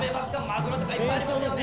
マグロとかいっぱいありますよね。